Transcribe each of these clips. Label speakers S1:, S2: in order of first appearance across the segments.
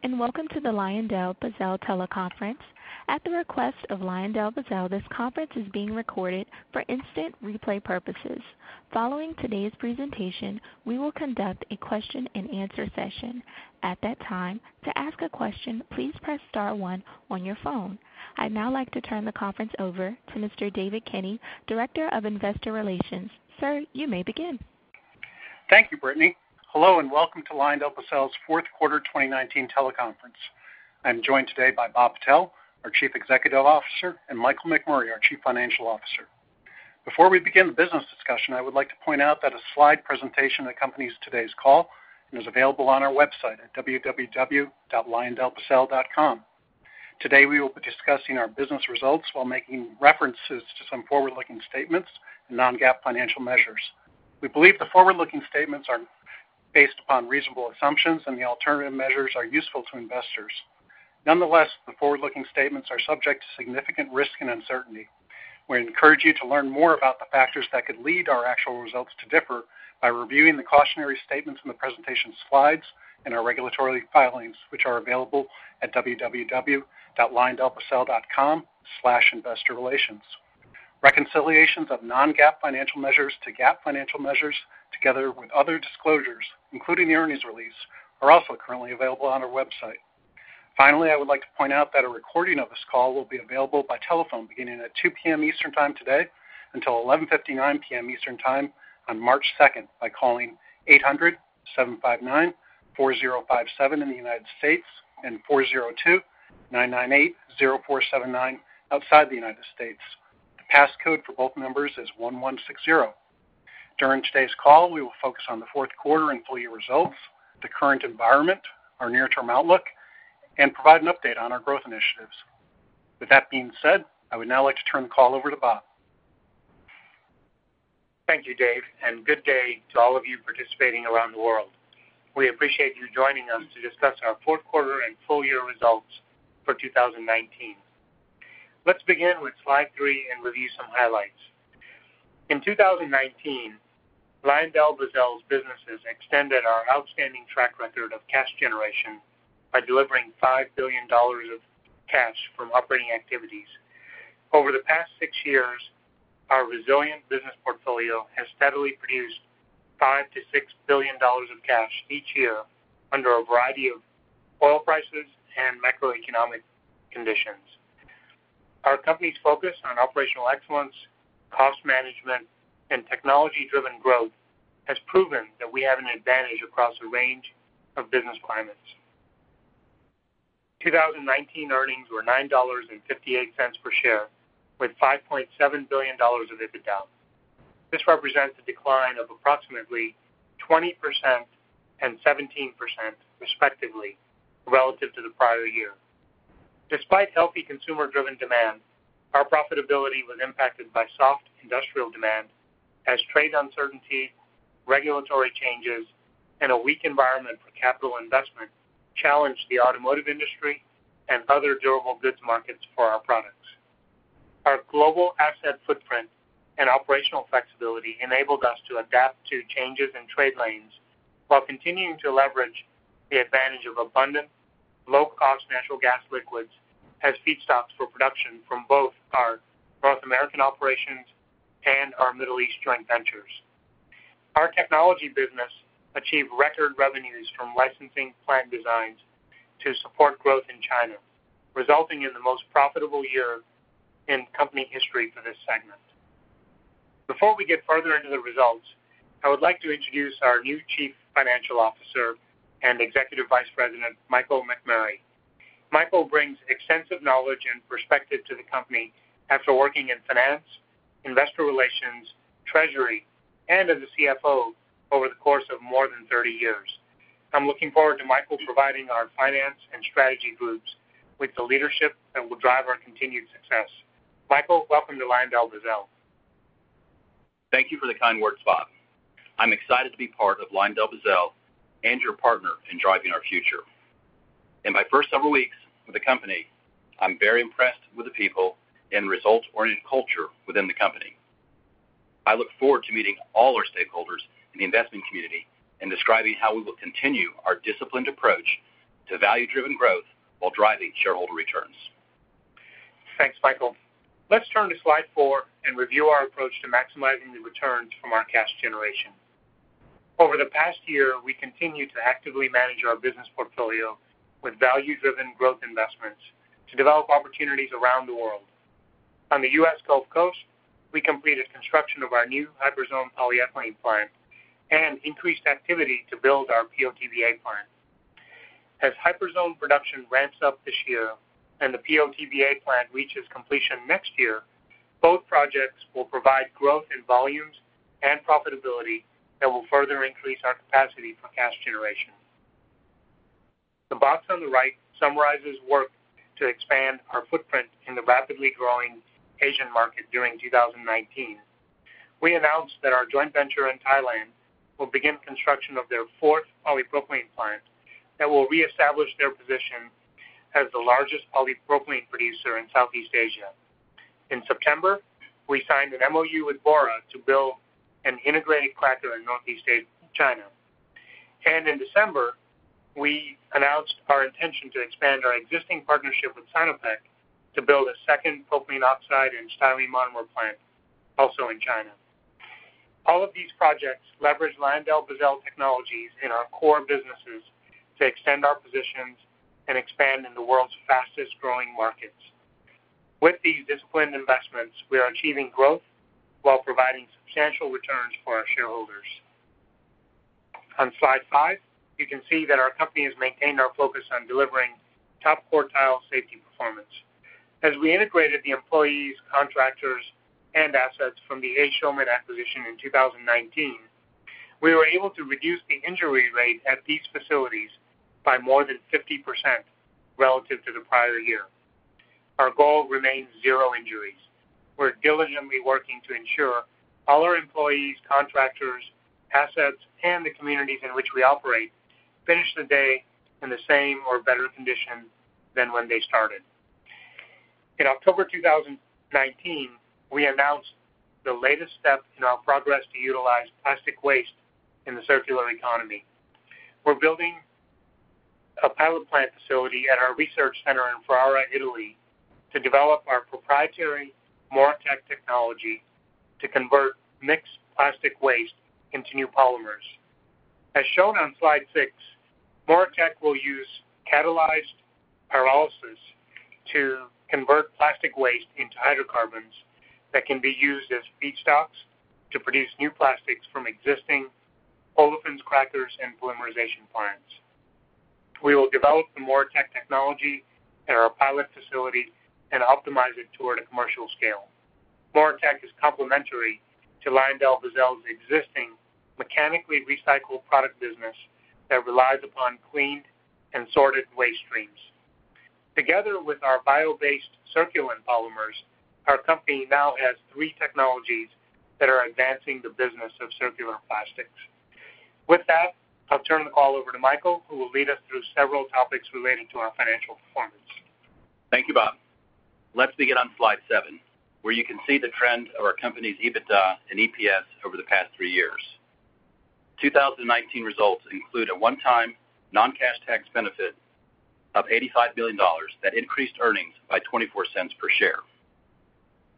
S1: Hello, and welcome to the LyondellBasell teleconference. At the request of LyondellBasell, this conference is being recorded for instant replay purposes. Following today's presentation, we will conduct a question and answer session. At that time, to ask a question, please press star one on your phone. I'd now like to turn the conference over to Mr. David Kinney, Director of Investor Relations. Sir, you may begin.
S2: Thank you, Brittany. Hello, and welcome to LyondellBasell's fourth quarter 2019 teleconference. I'm joined today by Bob Patel, our Chief Executive Officer, and Michael McMurray, our Chief Financial Officer. Before we begin the business discussion, I would like to point out that a slide presentation accompanies today's call and is available on our website at www.lyondellbasell.com. Today, we will be discussing our business results while making references to some forward-looking statements and non-GAAP financial measures. We believe the forward-looking statements are based upon reasonable assumptions and the alternative measures are useful to investors. Nonetheless, the forward-looking statements are subject to significant risk and uncertainty. We encourage you to learn more about the factors that could lead our actual results to differ by reviewing the cautionary statements in the presentation slides and our regulatory filings, which are available at www.lyondellbasell.com/investorrelations. Reconciliations of non-GAAP financial measures to GAAP financial measures, together with other disclosures, including the earnings release, are also currently available on our website. Finally, I would like to point out that a recording of this call will be available by telephone beginning at 2:00 P.M. Eastern Time today until 11:59 P.M. Eastern Time on March 2 by calling 800-759-4057 in the U.S. and 402-998-0479 outside the U.S. The pass code for both numbers is 1160. During today's call, we will focus on the fourth quarter and full year results, the current environment, our near-term outlook, and provide an update on our growth initiatives. With that being said, I would now like to turn the call over to Bob.
S3: Thank you, Dave, and good day to all of you participating around the world. We appreciate you joining us to discuss our fourth quarter and full year results for 2019. Let's begin with slide three and review some highlights. In 2019, LyondellBasell's businesses extended our outstanding track record of cash generation by delivering $5 billion of cash from operating activities. Over the past six years, our resilient business portfolio has steadily produced $5 billion-$6 billion of cash each year under a variety of oil prices and macroeconomic conditions. Our company's focus on operational excellence, cost management, and technology-driven growth has proven that we have an advantage across a range of business climates. 2019 earnings were $9.58 per share with $5.7 billion of EBITDA. This represents a decline of approximately 20% and 17% respectively relative to the prior year. Despite healthy consumer-driven demand, our profitability was impacted by soft industrial demand as trade uncertainty, regulatory changes, and a weak environment for capital investment challenged the automotive industry and other durable goods markets for our products. Our global asset footprint and operational flexibility enabled us to adapt to changes in trade lanes while continuing to leverage the advantage of abundant, low-cost natural gas liquids as feed stocks for production from both our North American operations and our Middle East joint ventures. Our Technology business achieved record revenues from licensing plant designs to support growth in China, resulting in the most profitable year in company history for this segment. Before we get further into the results, I would like to introduce our new Chief Financial Officer and Executive Vice President, Michael McMurray. Michael brings extensive knowledge and perspective to the company after working in finance, investor relations, treasury, and as a CFO over the course of more than 30 years. I'm looking forward to Michael providing our finance and strategy groups with the leadership that will drive our continued success. Michael, welcome to LyondellBasell.
S4: Thank you for the kind words, Bob. I'm excited to be part of LyondellBasell and your partner in driving our future. In my first several weeks with the company, I'm very impressed with the people and results-oriented culture within the company. I look forward to meeting all our stakeholders in the investment community and describing how we will continue our disciplined approach to value-driven growth while driving shareholder returns.
S3: Thanks, Michael. Let's turn to slide four and review our approach to maximizing the returns from our cash generation. Over the past year, we continued to actively manage our business portfolio with value-driven growth investments to develop opportunities around the world. On the U.S. Gulf Coast, we completed construction of our new Hyperzone polyethylene plant and increased activity to build our PO/TBA plant. As Hyperzone production ramps up this year and the PO/TBA plant reaches completion next year, both projects will provide growth in volumes and profitability that will further increase our capacity for cash generation. The box on the right summarizes work to expand our footprint in the rapidly growing Asian market during 2019. We announced that our joint venture in Thailand will begin construction of their fourth polypropylene plant that will reestablish their position as the largest polypropylene producer in Southeast Asia. In September, we signed an MOU with Bora to build an integrated cracker in Northeast China. In December, we announced our intention to expand our existing partnership with Sinopec to build a second Propylene Oxide and Styrene Monomer plant, also in China. All of these projects leverage LyondellBasell technologies in our core businesses to extend our positions and expand in the world's fastest-growing markets. With these disciplined investments, we are achieving growth while providing substantial returns for our shareholders. On slide five, you can see that our company has maintained our focus on delivering top-quartile safety performance. As we integrated the employees, contractors, and assets from the A. Schulman acquisition in 2019, we were able to reduce the injury rate at these facilities by more than 50% relative to the prior year. Our goal remains zero injuries. We're diligently working to ensure all our employees, contractors, assets, and the communities in which we operate finish the day in the same or better condition than when they started. In October 2019, we announced the latest step in our progress to utilize plastic waste in the circular economy. We're building a pilot plant facility at our research center in Ferrara, Italy, to develop our proprietary MoReTec technology to convert mixed plastic waste into new polymers. As shown on slide six, MoReTec will use catalyzed pyrolysis to convert plastic waste into hydrocarbons that can be used as feedstocks to produce new plastics from existing olefins, crackers, and polymerization plants. We will develop the MoReTec technology at our pilot facilities and optimize it toward a commercial scale. MoReTec is complementary to LyondellBasell's existing mechanically recycled product business that relies upon cleaned and sorted waste streams. Together with our bio-based Circulen polymers, our company now has three technologies that are advancing the business of circular plastics. With that, I'll turn the call over to Michael, who will lead us through several topics relating to our financial performance.
S4: Thank you, Bob. Let's begin on slide seven, where you can see the trend of our company's EBITDA and EPS over the past three years. 2019 results include a one-time non-cash tax benefit of $85 million that increased earnings by $0.24 per share.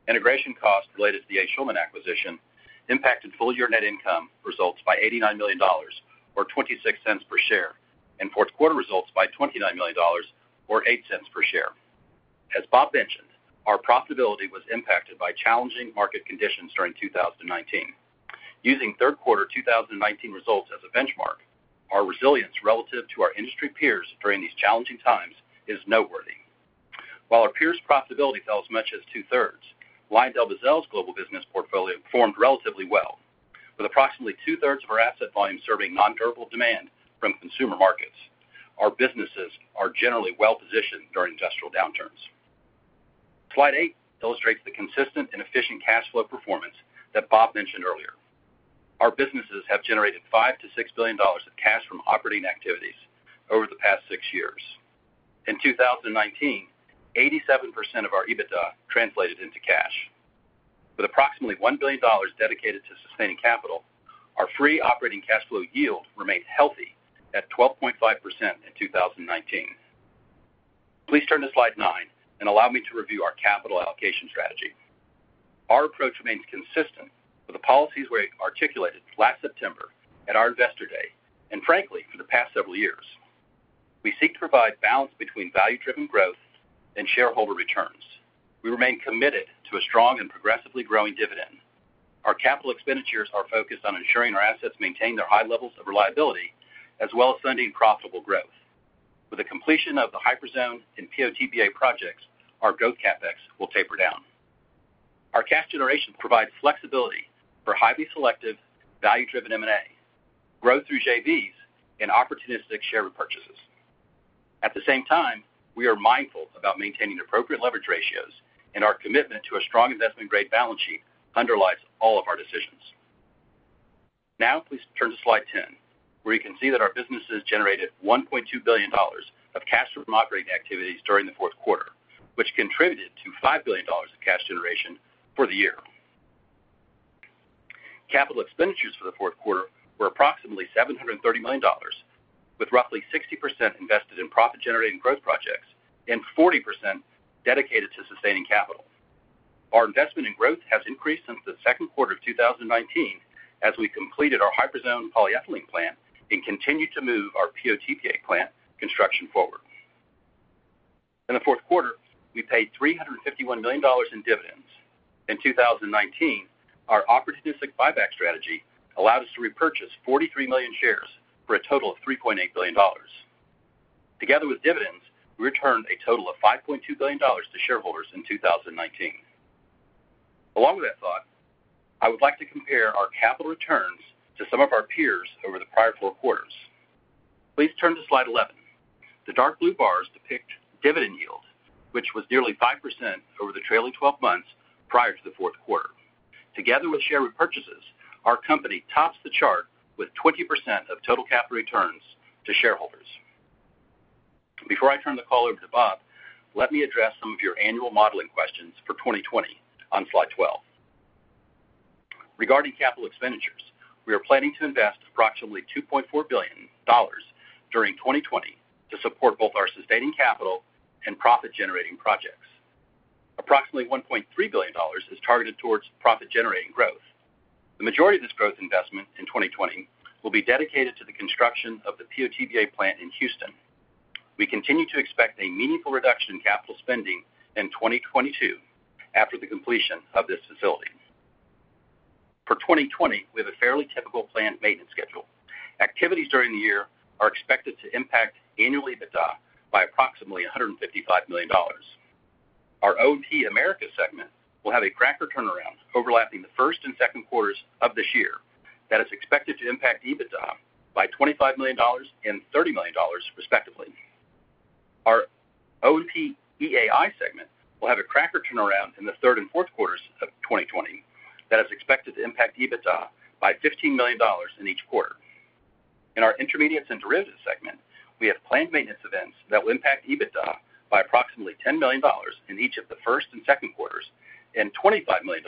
S4: Integration costs related to the A. Schulman acquisition impacted full-year net income results by $89 million, or $0.26 per share, and fourth quarter results by $29 million, or $0.08 per share. As Bob mentioned, our profitability was impacted by challenging market conditions during 2019. Using third quarter 2019 results as a benchmark, our resilience relative to our industry peers during these challenging times is noteworthy. While our peers' profitability fell as much as 2/3, LyondellBasell's global business portfolio performed relatively well. With approximately 2/3 of our asset volume serving non-durable demand from consumer markets, our businesses are generally well-positioned during industrial downturns. Slide eight illustrates the consistent and efficient cash flow performance that Bob mentioned earlier. Our businesses have generated $5 billion-$6 billion of cash from operating activities over the past six years. In 2019, 87% of our EBITDA translated into cash. With approximately $1 billion dedicated to sustaining capital, our free operating cash flow yield remains healthy at 12.5% in 2019. Please turn to slide nine and allow me to review our capital allocation strategy. Our approach remains consistent with the policies we articulated last September at our Investor Day, and frankly, for the past several years. We seek to provide balance between value-driven growth and shareholder returns. We remain committed to a strong and progressively growing dividend. Our capital expenditures are focused on ensuring our assets maintain their high levels of reliability, as well as funding profitable growth. With the completion of the Hyperzone and PO/TBA projects, our growth CapEx will taper down. Our cash generation provides flexibility for highly selective value-driven M&A, growth through JVs, and opportunistic share repurchases. At the same time, we are mindful about maintaining appropriate leverage ratios, and our commitment to a strong investment-grade balance sheet underlies all of our decisions. Now please turn to slide 10, where you can see that our businesses generated $1.2 billion of cash from operating activities during the fourth quarter, which contributed to $5 billion of cash generation for the year. Capital expenditures for the fourth quarter were approximately $730 million, with roughly 60% invested in profit-generating growth projects and 40% dedicated to sustaining capital. Our investment in growth has increased since the second quarter of 2019 as we completed our Hyperzone polyethylene plant and continued to move our PO/TBA plant construction forward. In the fourth quarter, we paid $351 million in dividends. In 2019, our opportunistic buyback strategy allowed us to repurchase 43 million shares for a total of $3.8 billion. Together with dividends, we returned a total of $5.2 billion to shareholders in 2019. Along with that thought, I would like to compare our capital returns to some of our peers over the prior four quarters. Please turn to slide 11. The dark blue bars depict dividend yield, which was nearly 5% over the trailing 12 months prior to the fourth quarter. Together with share repurchases, our company tops the chart with 20% of total capital returns to shareholders. Before I turn the call over to Bob, let me address some of your annual modeling questions for 2020 on slide 12. Regarding capital expenditures, we are planning to invest approximately $2.4 billion during 2020 to support both our sustaining capital and profit-generating projects. Approximately $1.3 billion is targeted towards profit-generating growth. The majority of this growth investment in 2020 will be dedicated to the construction of the PO/TBA plant in Houston. We continue to expect a meaningful reduction in capital spending in 2022 after the completion of this facility. For 2020, we have a fairly typical planned maintenance schedule. Activities during the year are expected to impact annual EBITDA by approximately $155 million. Our O&P-Americas segment will have a cracker turnaround overlapping the first and second quarters of this year that is expected to impact EBITDA by $25 million and $30 million respectively. Our O&P-EAI segment will have a cracker turnaround in the third and fourth quarters of 2020 that is expected to impact EBITDA by $15 million in each quarter. In our Intermediates and Derivatives segment, we have planned maintenance events that will impact EBITDA by approximately $10 million in each of the first and second quarters, and $25 million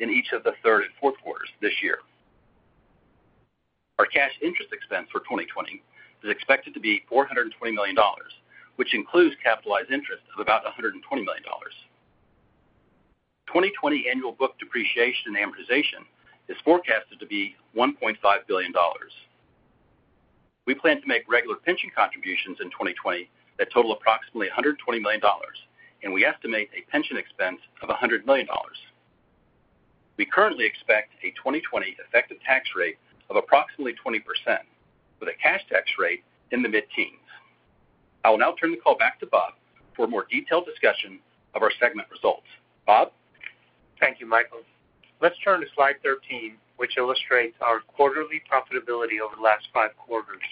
S4: in each of the third and fourth quarters this year. Our cash interest expense for 2020 is expected to be $420 million, which includes capitalized interest of about $120 million. 2020 annual book depreciation and amortization is forecasted to be $1.5 billion. We plan to make regular pension contributions in 2020 that total approximately $120 million, and we estimate a pension expense of $100 million. We currently expect a 2020 effective tax rate of approximately 20% with a cash tax rate in the mid-teens. I will now turn the call back to Bob for a more detailed discussion of our segment results. Bob?
S3: Thank you, Michael. Let's turn to slide 13, which illustrates our quarterly profitability over the last five quarters.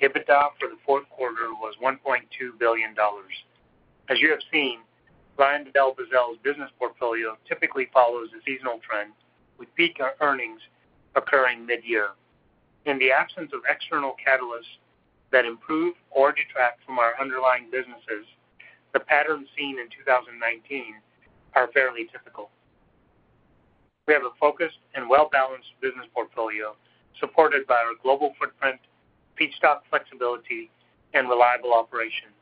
S3: EBITDA for the fourth quarter was $1.2 billion. As you have seen, LyondellBasell's business portfolio typically follows a seasonal trend, with peak earnings occurring mid-year. In the absence of external catalysts that improve or detract from our underlying businesses, the patterns seen in 2019 are fairly typical. We have a focused and well-balanced business portfolio supported by our global footprint, feedstock flexibility, and reliable operations.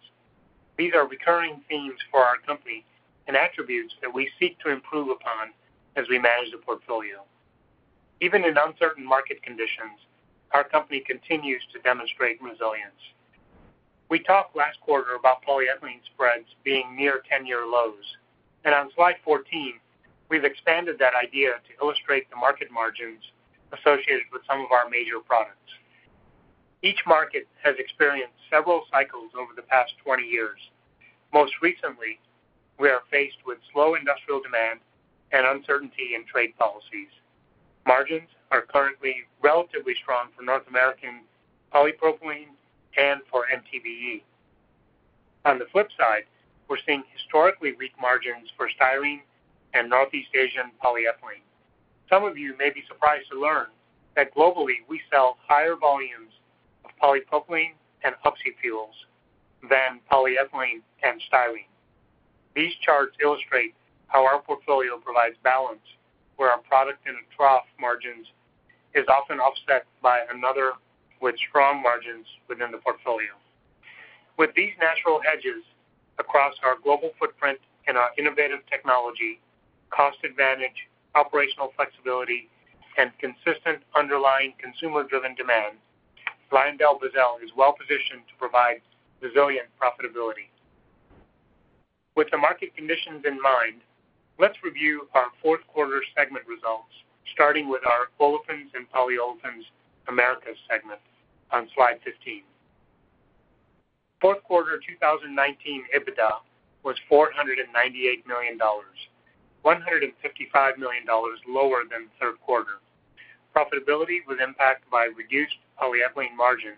S3: These are recurring themes for our company and attributes that we seek to improve upon as we manage the portfolio. Even in uncertain market conditions, our company continues to demonstrate resilience. We talked last quarter about polyethylene spreads being near 10-year lows, and on slide 14, we've expanded that idea to illustrate the market margins associated with some of our major products. Each market has experienced several cycles over the past 20 years. Most recently, we are faced with slow industrial demand and uncertainty in trade policies. Margins are currently relatively strong for North American polypropylene and for MTBE. On the flip side, we're seeing historically weak margins for styrene and Northeast Asian polyethylene. Some of you may be surprised to learn that globally, we sell higher volumes of polypropylene and oxyfuels than polyethylene and styrene. These charts illustrate how our portfolio provides balance, where our product in a trough margins is often offset by another with strong margins within the portfolio. With these natural hedges across our global footprint and our innovative technology, cost advantage, operational flexibility, and consistent underlying consumer-driven demand, LyondellBasell is well positioned to provide resilient profitability. With the market conditions in mind, let's review our fourth quarter segment results, starting with our Olefins and Polyolefins Americas segment on slide 15. Fourth quarter 2019 EBITDA was $498 million, $155 million lower than the third quarter. Profitability was impacted by reduced polyethylene margins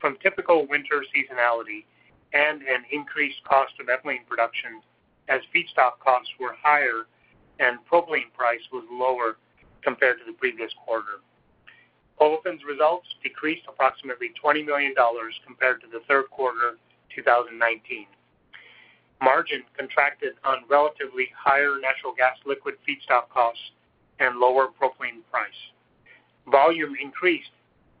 S3: from typical winter seasonality and an increased cost of ethylene production as feedstock costs were higher and propylene price was lower compared to the previous quarter. Olefins results decreased approximately $20 million compared to the third quarter 2019. Margins contracted on relatively higher natural gas liquid feedstock costs and lower propylene price. Volume increased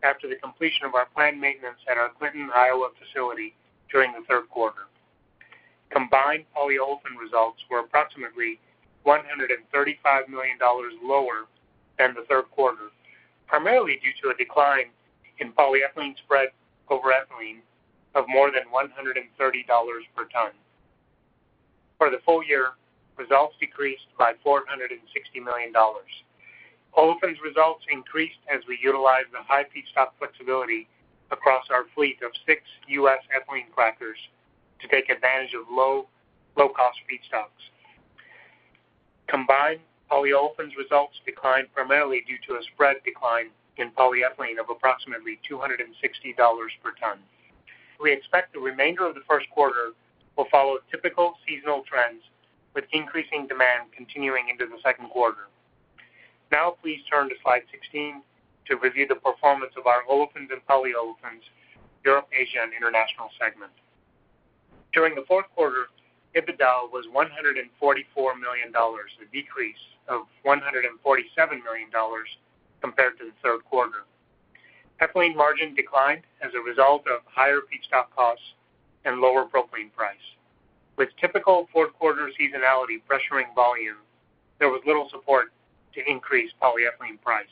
S3: after the completion of our planned maintenance at our Clinton, Iowa facility during the third quarter. Combined Polyolefins results were approximately $135 million lower than the third quarter, primarily due to a decline in polyethylene spread over ethylene of more than $130 per ton. For the full year, results decreased by $460 million. Olefins results increased as we utilized the high feedstock flexibility across our fleet of six U.S. ethylene crackers to take advantage of low-cost feedstocks. Combined Polyolefins results declined primarily due to a spread decline in polyethylene of approximately $260 per ton. We expect the remainder of the first quarter will follow typical seasonal trends with increasing demand continuing into the second quarter. Please turn to slide 16 to review the performance of our Olefins and Polyolefins – Europe, Asia, International segment. During the fourth quarter, EBITDA was $144 million, a decrease of $147 million compared to the third quarter. Ethylene margin declined as a result of higher feedstock costs and lower propylene price. With typical fourth quarter seasonality pressuring volume, there was little support to increase polyethylene price.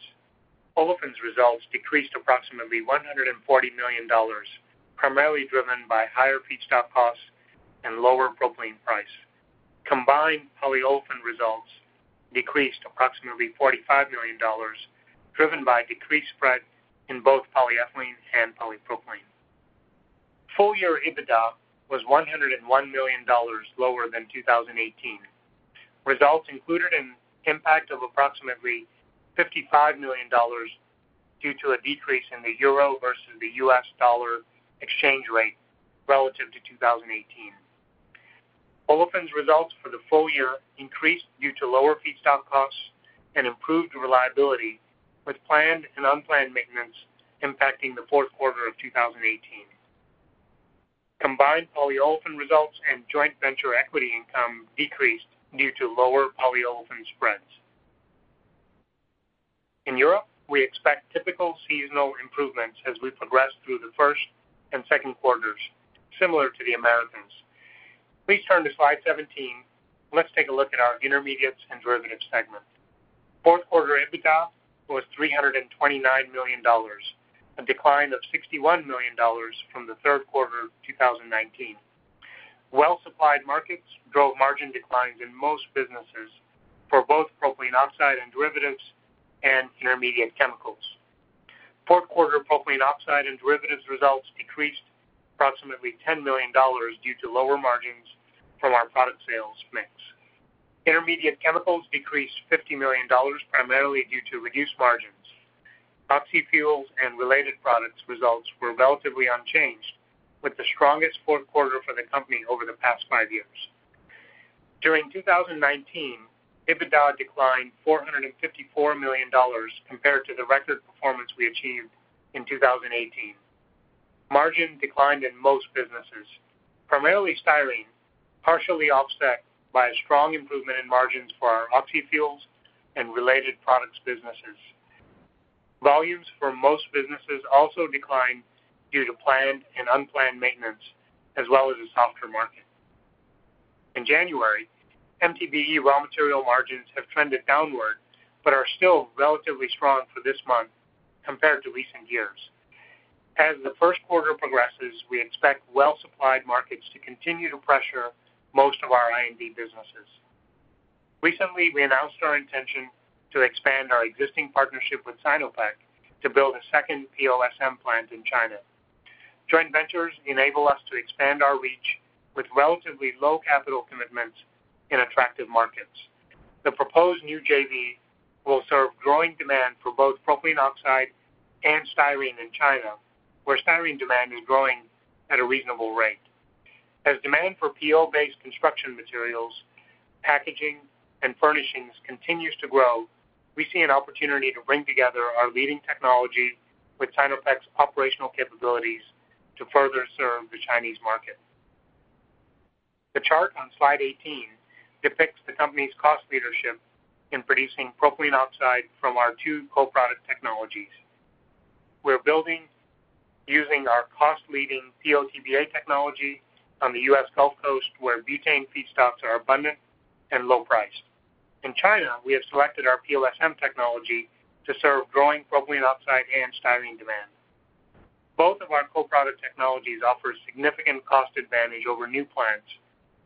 S3: Olefins results decreased approximately $140 million, primarily driven by higher feedstock costs and lower propylene price. Combined polyolefin results decreased approximately $45 million, driven by a decreased spread in both polyethylene and polypropylene. Full year EBITDA was $101 million lower than 2018. Results included an impact of approximately $55 million due to a decrease in the euro versus the U.S. dollar exchange rate relative to 2018. Olefins results for the full year increased due to lower feedstock costs and improved reliability, with planned and unplanned maintenance impacting the fourth quarter of 2018. Combined polyolefin results and joint venture equity income decreased due to lower polyolefin spreads. In Europe, we expect typical seasonal improvements as we progress through the first and second quarters, similar to the Americans. Please turn to slide 17. Let's take a look at our Intermediates and Derivatives segment. Fourth quarter EBITDA was $329 million, a decline of $61 million from the third quarter of 2019. Well-supplied markets drove margin declines in most businesses for both propylene oxide and derivatives and intermediate chemicals. Fourth quarter propylene oxide and derivatives results decreased approximately $10 million due to lower margins from our product sales mix. Intermediate chemicals decreased $50 million, primarily due to reduced margins. Oxyfuels and related products results were relatively unchanged, with the strongest fourth quarter for the company over the past five years. During 2019, EBITDA declined $454 million compared to the record performance we achieved in 2018. Margin declined in most businesses, primarily styrene, partially offset by a strong improvement in margins for our Oxyfuels and related products businesses. Volumes for most businesses also declined due to planned and unplanned maintenance, as well as a softer market. In January, MTBE raw material margins have trended downward, but are still relatively strong for this month compared to recent years. As the first quarter progresses, we expect well-supplied markets to continue to pressure most of our I&D businesses. Recently, we announced our intention to expand our existing partnership with Sinopec to build a second PO/SM plant in China. Joint ventures enable us to expand our reach with relatively low capital commitments in attractive markets. The proposed new JV will serve growing demand for both propylene oxide and styrene in China, where styrene demand is growing at a reasonable rate. As demand for PO-based construction materials, packaging, and furnishings continues to grow, we see an opportunity to bring together our leading technology with Sinopec's operational capabilities to further serve the Chinese market. The chart on slide 18 depicts the company's cost leadership in producing propylene oxide from our two co-product technologies. We're building using our cost-leading PO/TBA technology on the U.S. Gulf Coast, where butane feedstocks are abundant and low priced. In China, we have selected our PO/SM technology to serve growing propylene oxide and styrene demand. Both of our co-product technologies offer a significant cost advantage over new plants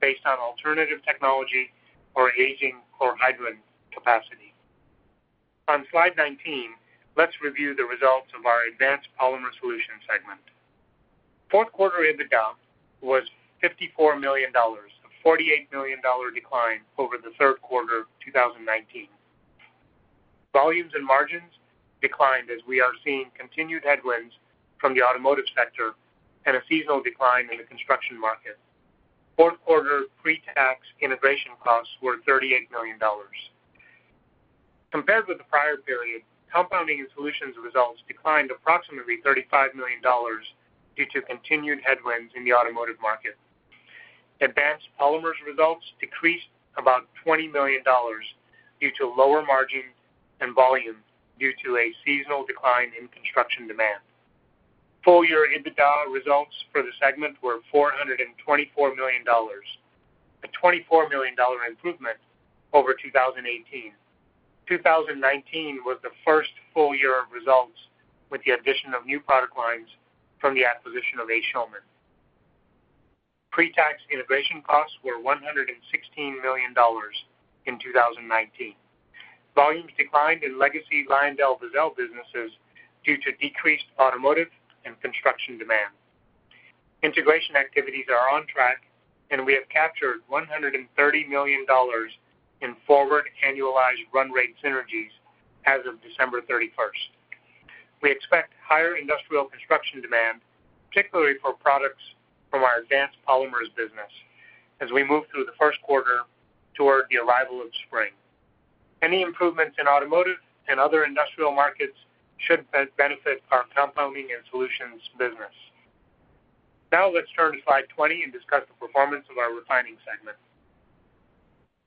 S3: based on alternative technology or aging chlorohydrin capacity. On slide 19, let's review the results of our Advanced Polymer Solutions segment. Fourth quarter EBITDA was $54 million, a $48 million decline over the third quarter of 2019. Volumes and margins declined as we are seeing continued headwinds from the automotive sector and a seasonal decline in the construction market. Fourth quarter pre-tax integration costs were $38 million. Compared with the prior period, Compounding & Solutions results declined approximately $35 million due to continued headwinds in the automotive market. Advanced Polymer Solutions results decreased about $20 million due to lower margins and volume due to a seasonal decline in construction demand. Full year EBITDA results for the segment were $424 million, a $24 million improvement over 2018. 2019 was the first full year of results with the addition of new product lines from the acquisition of A. Schulman. Pre-tax integration costs were $116 million in 2019. Volumes declined in legacy LyondellBasell businesses due to decreased automotive and construction demand. Integration activities are on track, and we have captured $130 million in forward annualized run rate synergies as of December 31st. We expect higher industrial construction demand, particularly for products from our Advanced Polymer Solutions business as we move through the first quarter toward the arrival of spring. Any improvements in automotive and other industrial markets should benefit our Compounding & Solutions business. Now let's turn to slide 20 and discuss the performance of our refining segment.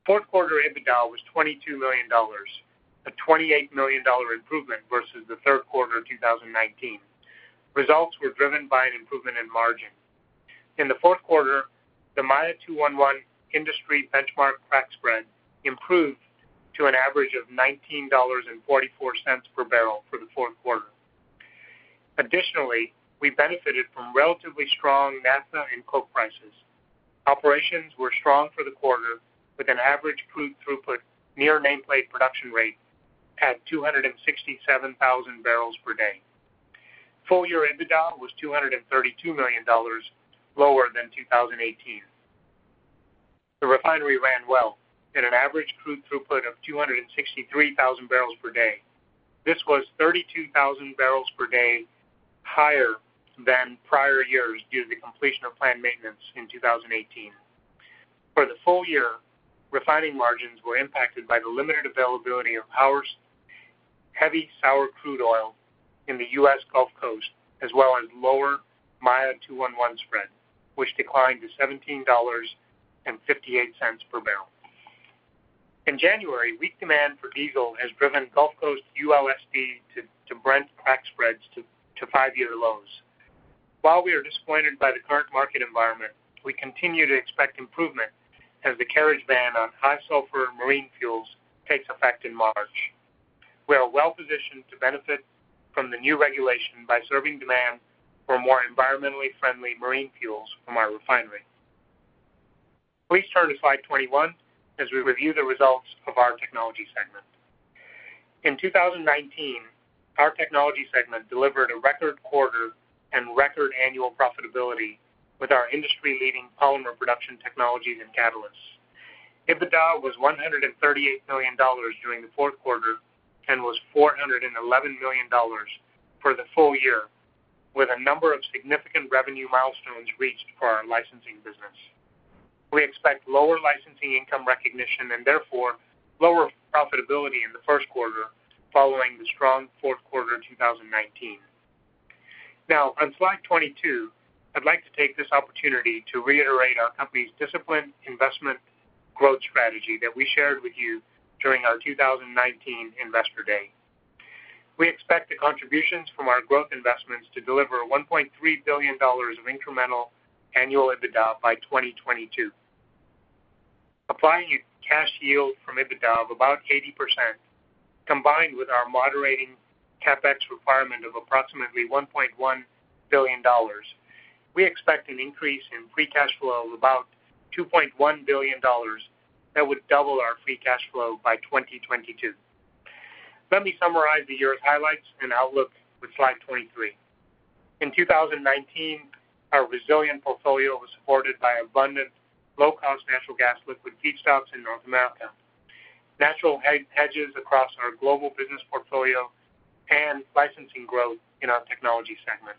S3: Fourth quarter EBITDA was $22 million, a $28 million improvement versus the third quarter of 2019. Results were driven by an improvement in margin. In the fourth quarter, the Maya 2-1-1 industry benchmark crack spread improved to an average of $19.44 per barrel for the fourth quarter. Additionally, we benefited from relatively strong naphtha and coke prices. Operations were strong for the quarter, with an average crude throughput near nameplate production rates at 267,000 barrels per day. Full year EBITDA was $232 million, lower than 2018. The refinery ran well at an average crude throughput of 263,000 bbl per day. This was 32,000 bbl per day higher than prior years due to the completion of planned maintenance in 2018. For the full year, refining margins were impacted by the limited availability of heavy sour crude oil in the U.S. Gulf Coast, as well as lower Maya 2-1-1 spread, which declined to $17.58 per barrel. In January, weak demand for diesel has driven Gulf Coast ULSD to Brent crack spreads to five-year lows. While we are disappointed by the current market environment, we continue to expect improvement as the carriage ban on high sulfur marine fuels takes effect in March. We are well-positioned to benefit from the new regulation by serving demand for more environmentally friendly marine fuels from our refinery. Please turn to slide 21 as we review the results of our Technology segment. In 2019, our Technology segment delivered a record quarter and record annual profitability with our industry-leading polymer production technologies and catalysts. EBITDA was $138 million during the fourth quarter and was $411 million for the full year, with a number of significant revenue milestones reached for our licensing business. We expect lower licensing income recognition and therefore lower profitability in the first quarter following the strong fourth quarter 2019. Now on slide 22, I'd like to take this opportunity to reiterate our company's disciplined investment growth strategy that we shared with you during our 2019 Investor Day. We expect the contributions from our growth investments to deliver $1.3 billion of incremental annual EBITDA by 2022. Applying a cash yield from EBITDA of about 80%, combined with our moderating CapEx requirement of approximately $1.1 billion, we expect an increase in free cash flow of about $2.1 billion that would double our free cash flow by 2022. Let me summarize the year's highlights and outlook with slide 23. In 2019, our resilient portfolio was supported by abundant low-cost natural gas liquid feedstocks in North America, natural hedges across our global business portfolio, and licensing growth in our Technology segment.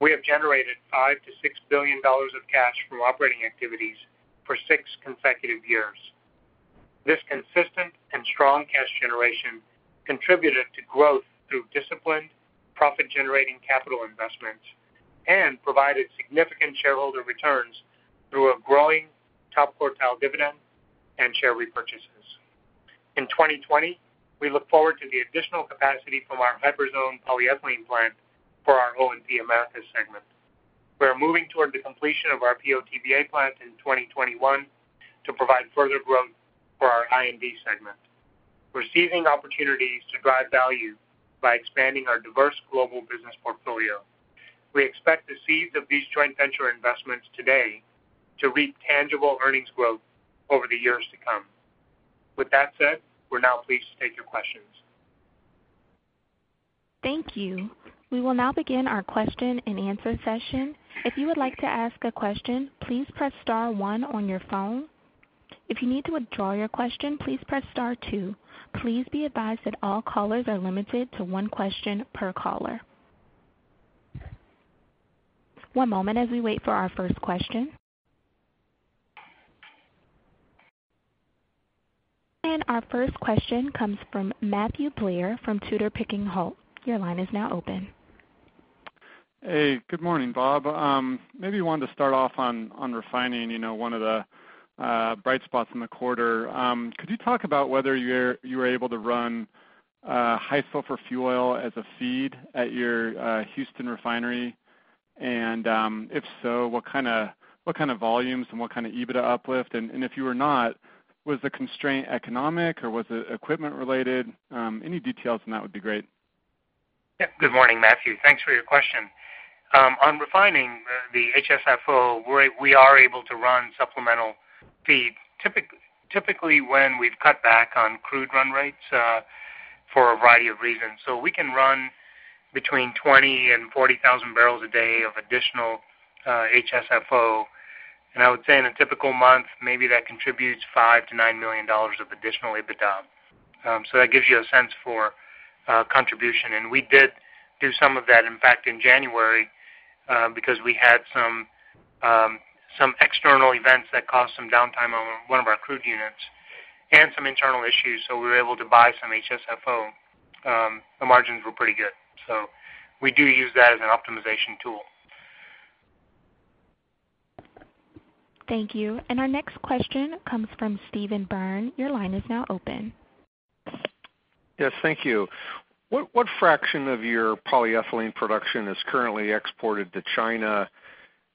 S3: We have generated $5 billion-$6 billion of cash from operating activities for six consecutive years. This consistent and strong cash generation contributed to growth through disciplined profit-generating capital investments and provided significant shareholder returns through a growing top-quartile dividend and share repurchases. In 2020, we look forward to the additional capacity from our Hyperzone polyethylene plant for our O&P-Americas segment. We are moving toward the completion of our PO/TBA plant in 2021 to provide further growth for our I&D segment. We're seizing opportunities to drive value by expanding our diverse global business portfolio. We expect the seeds of these joint venture investments today to reap tangible earnings growth over the years to come. With that said, we're now pleased to take your questions.
S1: Thank you. We will now begin our question-and-answer session. If you would like to ask a question, please press star one on your phone. If you need to withdraw your question, please press star two. Please be advised that all callers are limited to one question per caller. One moment as we wait for our first question. Our first question comes from Matthew Blair from Tudor, Pickering, Holt. Your line is now open.
S5: Hey, good morning, Bob. I maybe wanted to start off on refining, one of the bright spots in the quarter. Could you talk about whether you were able to run high sulfur fuel oil as a feed at your Houston refinery? If so, what kind of volumes and what kind of EBITDA uplift? If you were not, was the constraint economic or was it equipment related? Any details on that would be great.
S3: Good morning, Matthew. Thanks for your question. On refining the HSFO, we are able to run supplemental feeds typically when we've cut back on crude run rates for a variety of reasons. We can run between 20,000 and 40,000 bbl a day of additional HSFO. I would say in a typical month, maybe that contributes $5 million-$9 million of additional EBITDA. That gives you a sense for contribution. We did do some of that, in fact, in January, because we had some external events that caused some downtime on one of our crude units and some internal issues. We were able to buy some HSFO. The margins were pretty good. We do use that as an optimization tool.
S1: Thank you. Our next question comes from Steven Byrne. Your line is now open.
S6: Yes, thank you. What fraction of your polyethylene production is currently exported to China,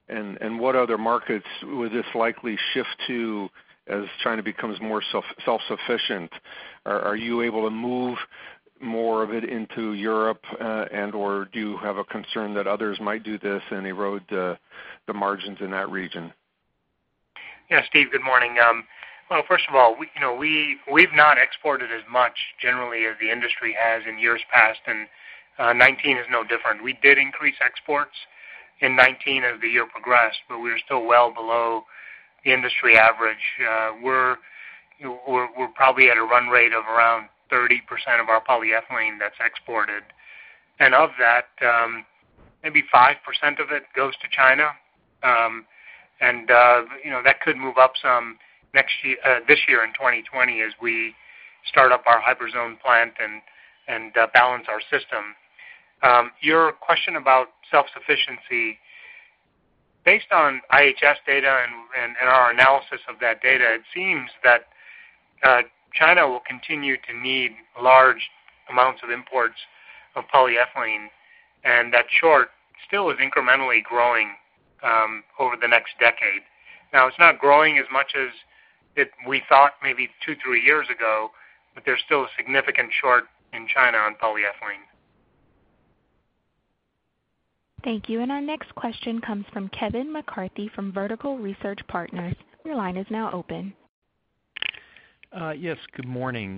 S6: and what other markets would this likely shift to as China becomes more self-sufficient? Are you able to move more of it into Europe, and/or do you have a concern that others might do this and erode the margins in that region?
S3: Yeah, Steve, good morning. Well, first of all, we've not exported as much generally as the industry has in years past, and 2019 is no different. We did increase exports in 2019 as the year progressed, but we are still well below the industry average. We're probably at a run rate of around 30% of our polyethylene that's exported. Of that, maybe 5% of it goes to China. That could move up some this year in 2020 as we start up our Hyperzone plant and balance our system. Your question about self-sufficiency, based on IHS data and our analysis of that data, it seems that China will continue to need large amounts of imports of polyethylene, and that short still is incrementally growing over the next decade. Now, it's not growing as much as we thought maybe two, three years ago, but there's still a significant short in China on polyethylene.
S1: Thank you. Our next question comes from Kevin McCarthy from Vertical Research Partners. Your line is now open.
S7: Yes, good morning.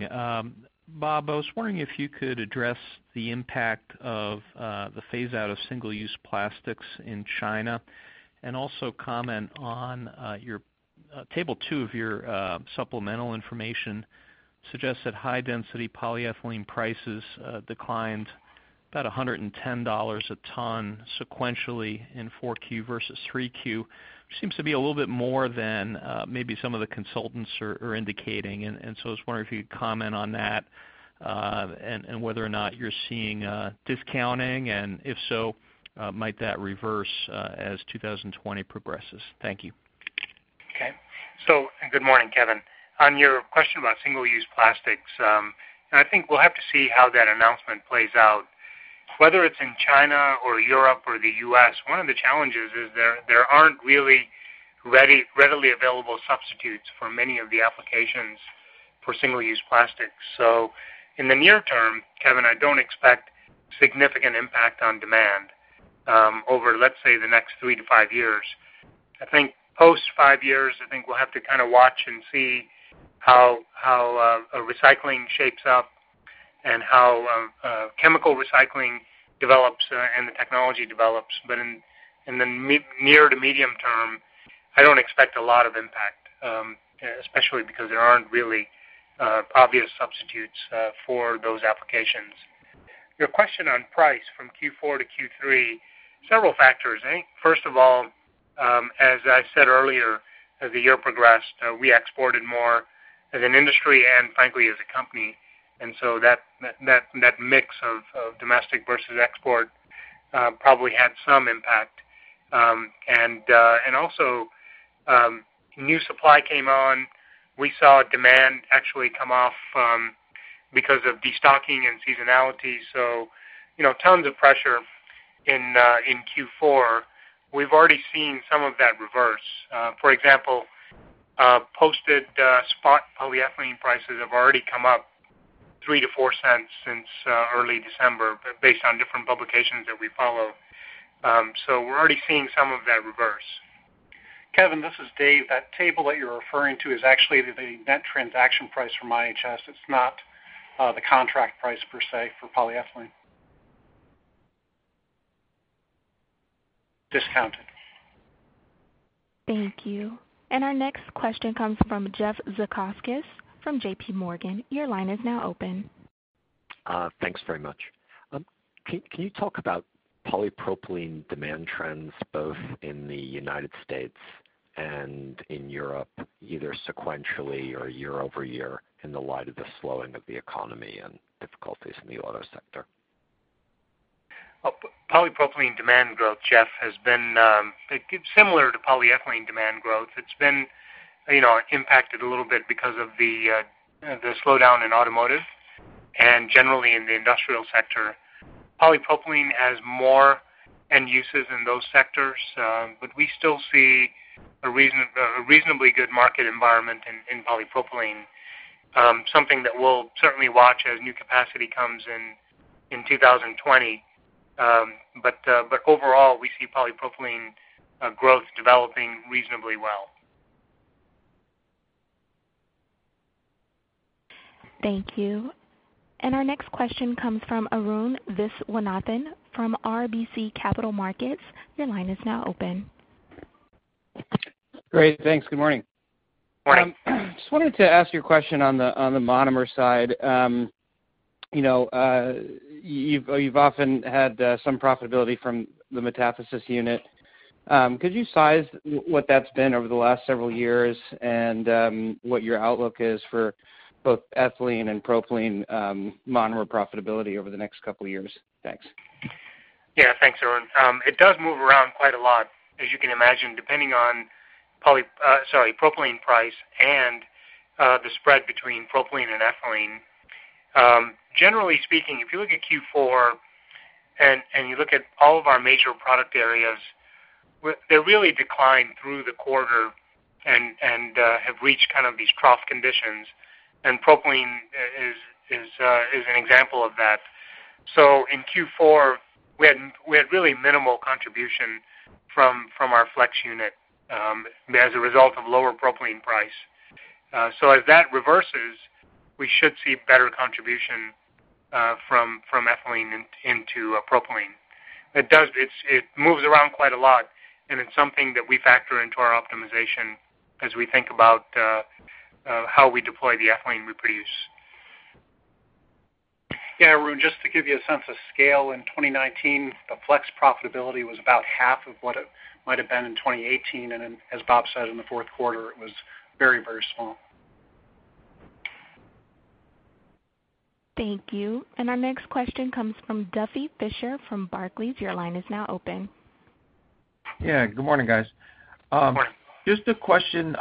S7: Bob, I was wondering if you could address the impact of the phase-out of single-use plastics in China, and also comment on your table two of your supplemental information suggests that high-density polyethylene prices declined about $110 a ton sequentially in 4Q versus 3Q, which seems to be a little bit more than maybe some of the consultants are indicating. I was wondering if you could comment on that, and whether or not you're seeing discounting, and if so, might that reverse as 2020 progresses? Thank you.
S3: Good morning, Kevin. On your question about single-use plastics, I think we'll have to see how that announcement plays out. Whether it's in China or Europe or the U.S., one of the challenges is there aren't really readily available substitutes for many of the applications for single-use plastics. In the near term, Kevin, I don't expect significant impact on demand over, let's say, the next three to five years. I think post five years, I think we'll have to kind of watch and see how recycling shapes up and how chemical recycling develops and the technology develops. In the near to medium term, I don't expect a lot of impact, especially because there aren't really obvious substitutes for those applications. Your question on price from Q4 to Q3, several factors. I think first of all, as I said earlier, as the year progressed, we exported more as an industry and frankly, as a company. That mix of domestic versus export probably had some impact. Also, new supply came on. We saw demand actually come off because of destocking and seasonality. Tons of pressure in Q4. We've already seen some of that reverse. For example, posted spot polyethylene prices have already come up $0.03-$0.04 since early December based on different publications that we follow. We're already seeing some of that reverse.
S2: Kevin, this is Dave. That table that you are referring to is actually the net transaction price from IHS. It is not the contract price per se for polyethylene. Discounted.
S1: Thank you. Our next question comes from Jeff Zekauskas from JPMorgan. Your line is now open.
S8: Thanks very much. Can you talk about polypropylene demand trends both in the United States and in Europe, either sequentially or year-over-year in the light of the slowing of the economy and difficulties in the auto sector?
S3: Polypropylene demand growth, Jeff, has been similar to polyethylene demand growth. It's been impacted a little bit because of the slowdown in automotive and generally in the industrial sector. Polypropylene has more end uses in those sectors, but we still see a reasonably good market environment in polypropylene. Something that we'll certainly watch as new capacity comes in in 2020. Overall, we see polypropylene growth developing reasonably well.
S1: Thank you. Our next question comes from Arun Viswanathan from RBC Capital Markets. Your line is now open.
S9: Great. Thanks. Good morning.
S3: Morning.
S9: Just wanted to ask you a question on the monomer side. You've often had some profitability from the metathesis unit. Could you size what that's been over the last several years and what your outlook is for both ethylene and propylene monomer profitability over the next couple of years? Thanks.
S3: Yeah, thanks, Arun. It does move around quite a lot, as you can imagine, depending on propylene price and the spread between propylene and ethylene. Generally speaking, if you look at Q4 and you look at all of our major product areas, they really decline through the quarter and have reached kind of these trough conditions. Propylene is an example of that. In Q4, we had really minimal contribution from our flex unit as a result of lower propylene price. As that reverses, we should see better contribution from ethylene into propylene. It moves around quite a lot, and it's something that we factor into our optimization as we think about how we deploy the ethylene we produce.
S4: Yeah, Arun, just to give you a sense of scale, in 2019, the flex profitability was about half of what it might've been in 2018. As Bob said, in the fourth quarter, it was very small.
S1: Thank you. Our next question comes from Duffy Fischer from Barclays. Your line is now open.
S10: Yeah. Good morning, guys.
S3: Morning.
S10: Just a question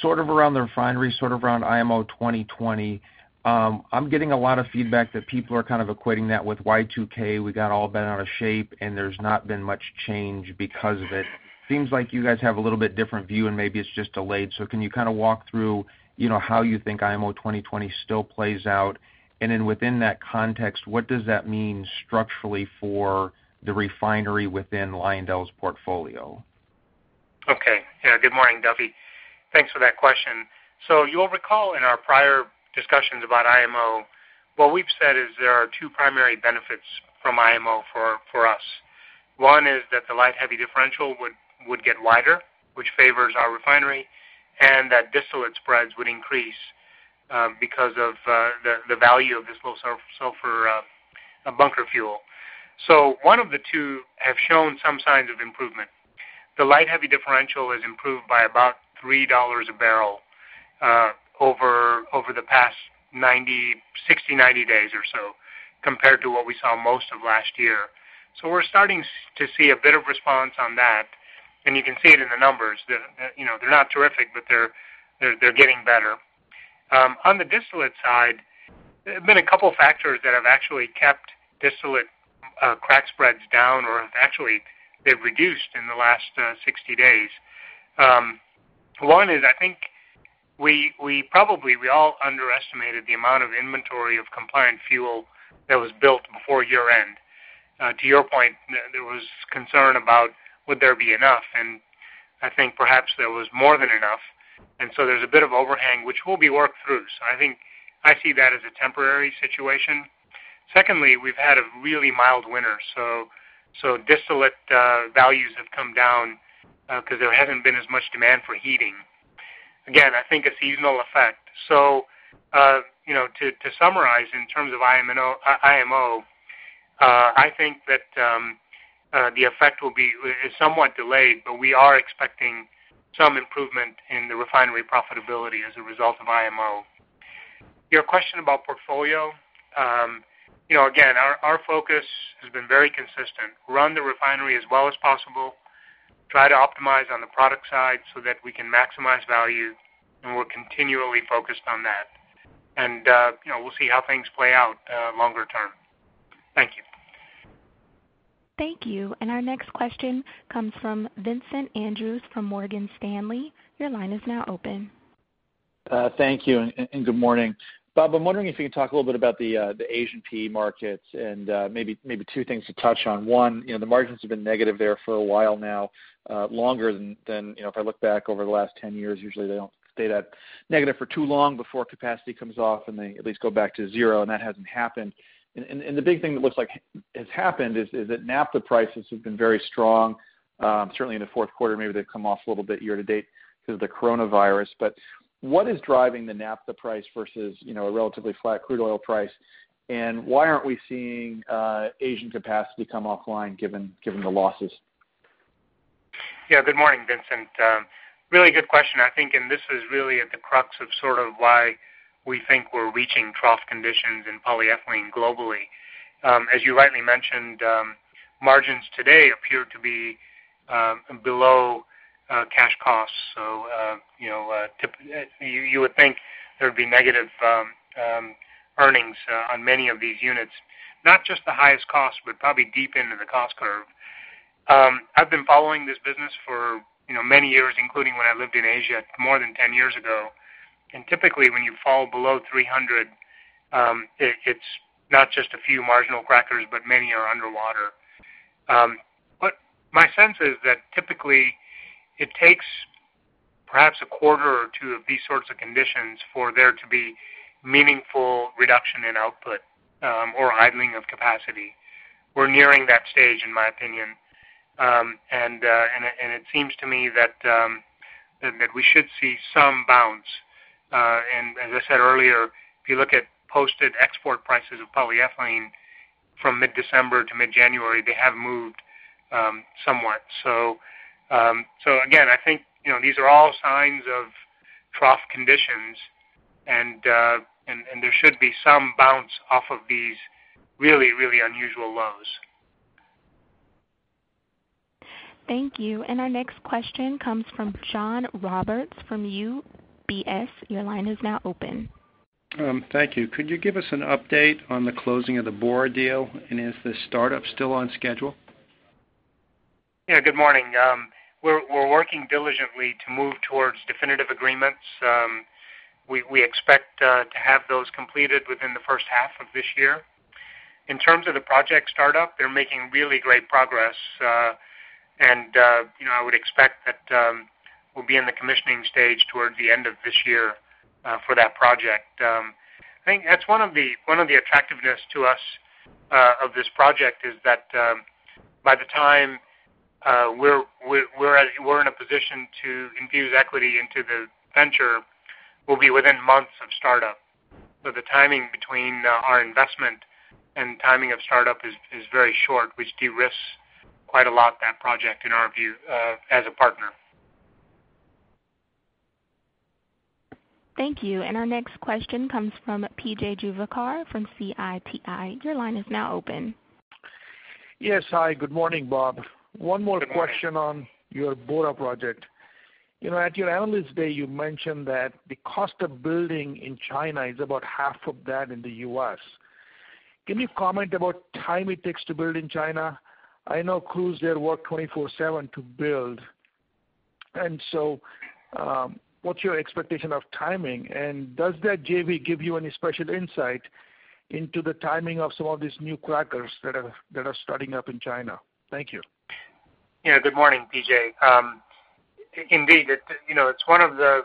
S10: sort of around the refinery, sort of around IMO 2020. I'm getting a lot of feedback that people are kind of equating that with Y2K. We got all bent out of shape, and there's not been much change because of it. Seems like you guys have a little bit different view, and maybe it's just delayed. Can you kind of walk through how you think IMO 2020 still plays out? Within that context, what does that mean structurally for the refinery within LyondellBasell's portfolio?
S3: Okay. Yeah. Good morning, Duffy. Thanks for that question. You'll recall in our prior discussions about IMO, what we've said is there are two primary benefits from IMO for us. One is that the light/heavy differential would get wider, which favors our refinery, and that distillate spreads would increase because of the value of distillates are for bunker fuel. One of the two have shown some signs of improvement. The light/heavy differential has improved by about $3 a barrel over the past 60, 90 days or so, compared to what we saw most of last year. You can see it in the numbers. They're not terrific, but they're getting better. On the distillate side, there's been a couple factors that have actually kept distillate crack spreads down, or actually, they've reduced in the last 60 days. One is I think we all underestimated the amount of inventory of compliant fuel that was built before year-end. To your point, there was concern about would there be enough, and I think perhaps there was more than enough. There's a bit of overhang, which will be worked through. I think I see that as a temporary situation. Secondly, we've had a really mild winter, so distillate values have come down because there hasn't been as much demand for heating. Again, I think a seasonal effect. To summarize, in terms of IMO, I think that the effect is somewhat delayed, but we are expecting some improvement in the refinery profitability as a result of IMO. Your question about portfolio. Again, our focus has been very consistent. Run the refinery as well as possible, try to optimize on the product side so that we can maximize value. We're continually focused on that. We'll see how things play out longer term. Thank you.
S1: Thank you. Our next question comes from Vincent Andrews from Morgan Stanley. Your line is now open.
S11: Thank you, and good morning. Bob, I'm wondering if you can talk a little bit about the Asian PE markets and maybe two things to touch on. One, the margins have been negative there for a while now, longer than if I look back over the last 10 years. Usually, they don't stay that negative for too long before capacity comes off, and they at least go back to zero, and that hasn't happened. The big thing that looks like has happened is that naphtha prices have been very strong. Certainly in the fourth quarter, maybe they've come off a little bit year to date because of the coronavirus. What is driving the naphtha price versus a relatively flat crude oil price, and why aren't we seeing Asian capacity come offline given the losses?
S3: Yeah. Good morning, Vincent. Really good question, I think. This is really at the crux of sort of why we think we're reaching trough conditions in polyethylene globally. As you rightly mentioned, margins today appear to be below cash costs. You would think there'd be negative earnings on many of these units, not just the highest cost, but probably deep into the cost curve. I've been following this business for many years, including when I lived in Asia more than 10 years ago. Typically, when you fall below 300, it's not just a few marginal crackers, but many are underwater. My sense is that typically it takes perhaps a quarter or two of these sorts of conditions for there to be meaningful reduction in output or idling of capacity. We're nearing that stage, in my opinion. It seems to me that we should see some bounce. As I said earlier, if you look at posted export prices of polyethylene from mid-December to mid-January, they have moved somewhat. Again, I think these are all signs of trough conditions and there should be some bounce off of these really unusual lows.
S1: Thank you. Our next question comes from John Roberts from UBS. Your line is now open.
S12: Thank you. Could you give us an update on the closing of the Bora deal? Is the startup still on schedule?
S3: Good morning. We're working diligently to move towards definitive agreements. We expect to have those completed within the first half of this year. In terms of the project startup, they're making really great progress. I would expect that we'll be in the commissioning stage toward the end of this year for that project. I think that's one of the attractiveness to us of this project is that by the time we're in a position to infuse equity into the venture, we'll be within months of startup. The timing between our investment and timing of startup is very short, which de-risks quite a lot that project, in our view, as a partner.
S1: Thank you. Our next question comes from P.J. Juvekar from Citi. Your line is now open.
S13: Yes. Hi. Good morning, Bob.
S3: Good morning.
S13: One more question on your Bora project. At your Analyst Day, you mentioned that the cost of building in China is about half of that in the U.S. Can you comment about time it takes to build in China? I know crews there work 24/7 to build. What's your expectation of timing? Does that JV give you any special insight into the timing of some of these new crackers that are starting up in China? Thank you.
S3: Good morning, P.J. Indeed. It's one of the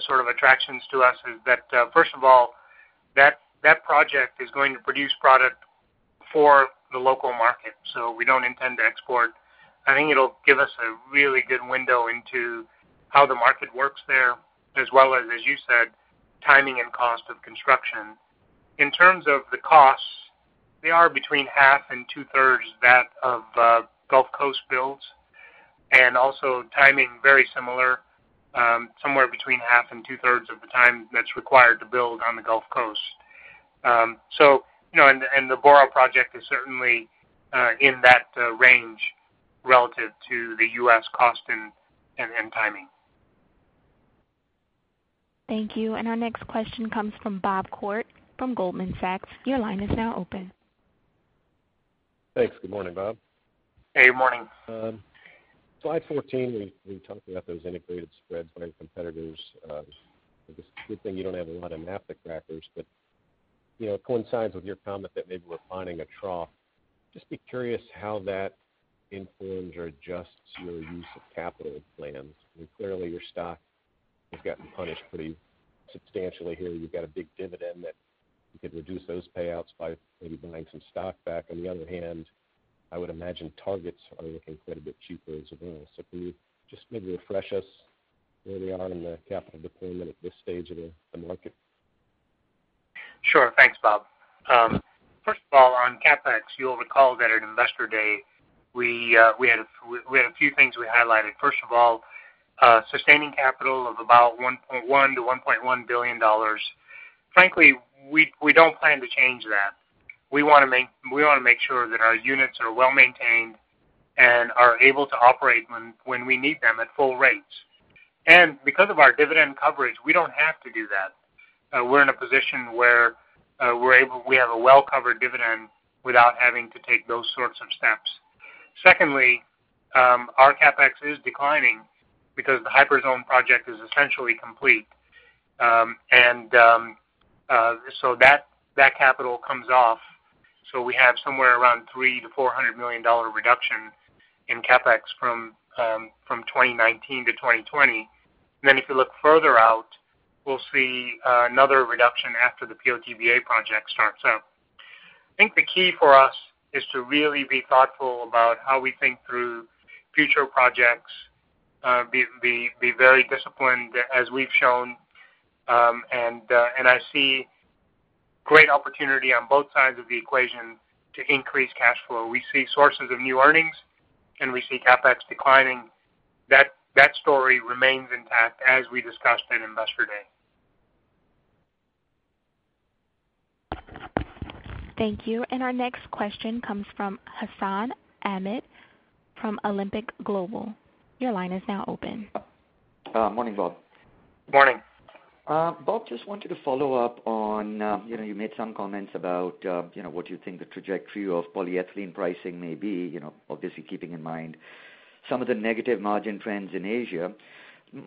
S3: sort of attractions to us is that first of all, that project is going to produce product for the local market, so we don't intend to export. I think it'll give us a really good window into how the market works there, as well as you said, timing and cost of construction. In terms of the costs, they are between half and 2/3 that of Gulf Coast builds, and also timing very similar, somewhere between half and 2/3 of the time that's required to build on the Gulf Coast. The Bora project is certainly in that range relative to the U.S. cost and timing.
S1: Thank you. Our next question comes from Bob Koort from Goldman Sachs. Your line is now open.
S14: Thanks. Good morning, Bob.
S3: Hey, good morning.
S14: Slide 14, we talked about those integrated spreads by competitors. It's a good thing you don't have a lot of naphtha crackers. Coincides with your comment that maybe we're finding a trough. Just be curious how that informs or adjusts your use of capital plans. Clearly, your stock has gotten punished pretty substantially here. You've got a big dividend that you could reduce those payouts by maybe buying some stock back. On the other hand, I would imagine targets are looking quite a bit cheaper as a result. Can you just maybe refresh us where they are in the capital deployment at this stage of the market?
S3: Sure. Thanks, Bob. First of all, on CapEx, you'll recall that at Investor Day, we had a few things we highlighted. First of all, sustaining capital of about $1.1 billion-$1.1 billion. Frankly, we don't plan to change that. We want to make sure that our units are well-maintained and are able to operate when we need them at full rates. Because of our dividend coverage, we don't have to do that. We're in a position where we have a well-covered dividend without having to take those sorts of steps. Secondly, our CapEx is declining because the Hyperzone project is essentially complete. That capital comes off. We have somewhere around $300 million-$400 million reduction in CapEx from 2019-2020. If you look further out, we'll see another reduction after the PO/TBA project starts up. I think the key for us is to really be thoughtful about how we think through future projects, be very disciplined, as we've shown. I see great opportunity on both sides of the equation to increase cash flow. We see sources of new earnings, and we see CapEx declining. That story remains intact as we discussed at Investor Day.
S1: Thank you. Our next question comes from Hassan Ahmed from Alembic Global Advisors. Your line is now open.
S15: Morning, Bob.
S3: Morning.
S15: Bob, just wanted to follow up on, you made some comments about what you think the trajectory of polyethylene pricing may be, obviously keeping in mind some of the negative margin trends in Asia.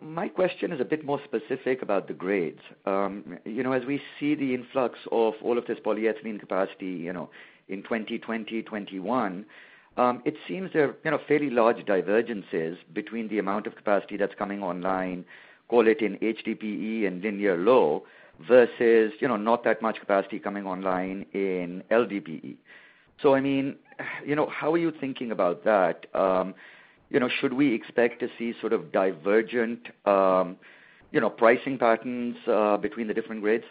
S15: My question is a bit more specific about the grades. As we see the influx of all of this polyethylene capacity in 2020, 2021, it seems there are fairly large divergences between the amount of capacity that's coming online, call it in HDPE and linear low versus not that much capacity coming online in LDPE. How are you thinking about that? Should we expect to see sort of divergent pricing patterns between the different grades?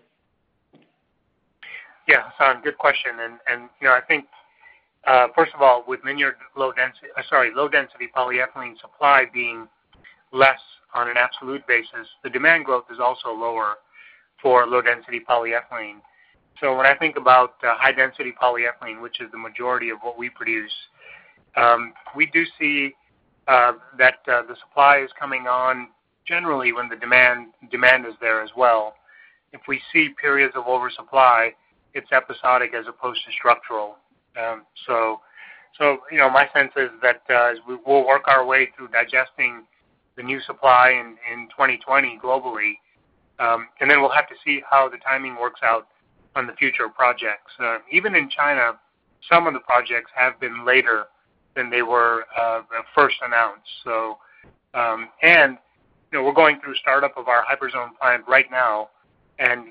S3: Yeah, Hassan, good question. I think first of all, with low-density polyethylene supply being less on an absolute basis, the demand growth is also lower for low-density polyethylene. When I think about high-density polyethylene, which is the majority of what we produce, we do see that the supply is coming on generally when the demand is there as well. If we see periods of oversupply, it's episodic as opposed to structural. My sense is that as we will work our way through digesting the new supply in 2020 globally, we'll have to see how the timing works out on the future projects. Even in China, some of the projects have been later than they were first announced. We're going through startup of our Hyperzone plant right now, and